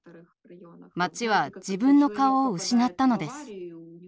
町は自分の顔を失ったのです。